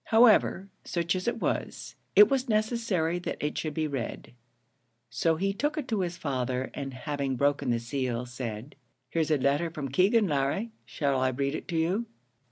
However, such as it was, it was necessary that it should be read; so he took it to his father, and having broken the seal, said, "Here's a letter from Keegan, Larry; shall I read it you?"